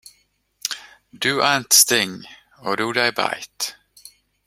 Do ants sting, or do they bite?